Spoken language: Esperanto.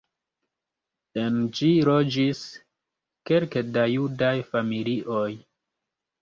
En ĝi loĝis kelke da judaj familioj.